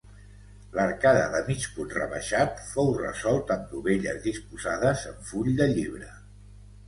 L'arcada de mig punt rebaixat fou resolt amb dovelles disposades en full de llibre.